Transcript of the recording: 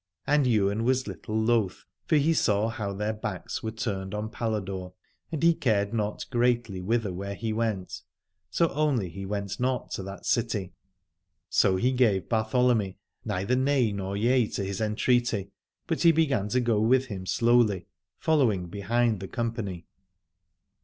And Ywain was little loth, for he saw how their backs were turned on Paladore, and he cared not greatly whither he went, so only he went not to that city. So he gave Bartholomy neither nay nor yea to his entreaty, but he began to go with him slowly, following behind the company.